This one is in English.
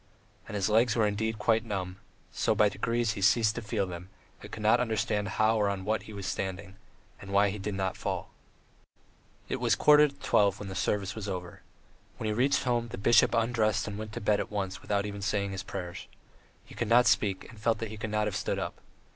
And his legs were indeed quite numb, so that by degrees he ceased to feel them and could not understand how or on what he was standing, and why he did not fall. ... It was a quarter to twelve when the service was over. When he reached home, the bishop undressed and went to bed at once without even saying his prayers. He could not speak and felt that he could not have stood up.